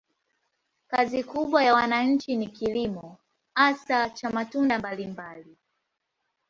Kazi kubwa ya wananchi ni kilimo, hasa cha matunda mbalimbali.